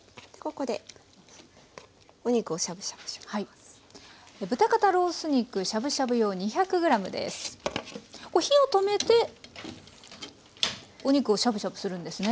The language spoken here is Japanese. これ火を止めてお肉をしゃぶしゃぶするんですね。